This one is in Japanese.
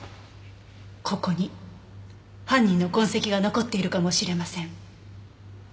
ここに犯人の痕跡が残っているかもしれません。